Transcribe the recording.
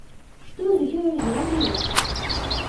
Што з ёю зрабілася?